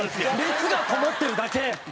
熱がこもってるだけ！